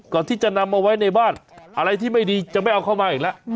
ก่อนที่จะนำมาไว้ในบ้านอะไรที่ไม่ดีจะไม่เอาเข้ามาอีกแล้ว